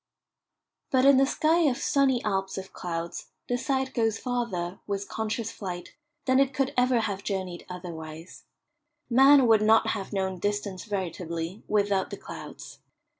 But in the sky of "sunny Alps" of clouds the sight goes farther, with conscious flight, than it could ever have journeyed otherwise. Man would not have known distance veritably without the clouds.